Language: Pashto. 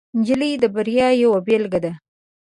نجلۍ د بریا یوه بیلګه ده.